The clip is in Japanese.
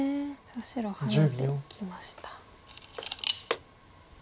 さあ白ハネていきました。